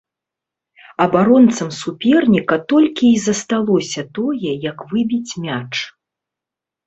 Абаронцам суперніка толькі і засталося тое, як выбіць мяч.